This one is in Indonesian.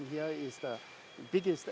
adalah energi terbesar